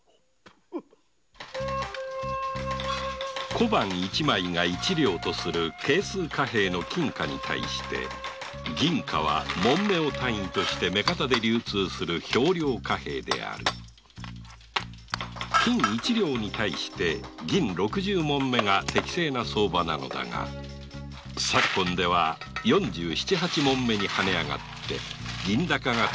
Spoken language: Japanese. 小判一枚が一両とする計数貨幣の金貨に対して銀貨は匁を単位として目方で流通する秤量貨幣である金一両に対して銀六十匁が適正な相場なのだが昨今では四十七八匁にはねあがって銀高が続いているのである。